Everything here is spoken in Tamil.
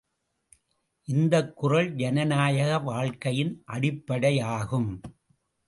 இந்தக் குறள் ஜனநாயக வாழ்க்கையின் அடிப்படையாகும்.